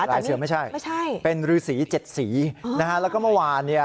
ลายเสือไม่ใช่เป็นรือสี๗สีนะครับแล้วก็เมื่อวาน